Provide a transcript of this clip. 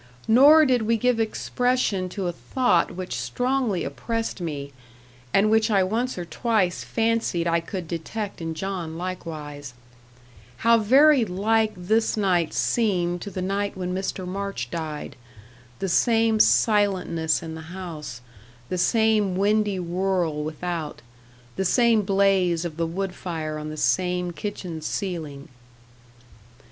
Nor did we give expression to a thought which strongly oppressed me, and which I once or twice fancied I could detect in John likewise how very like this night seemed to the night when Mr. March died; the same silentness in the house the same windy whirl without the same blaze of the wood fire on the same kitchen ceiling.